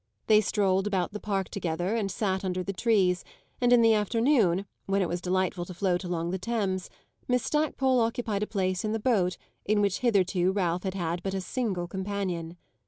They strolled about the park together and sat under the trees, and in the afternoon, when it was delightful to float along the Thames, Miss Stackpole occupied a place in the boat in which hitherto Ralph had had but a single companion.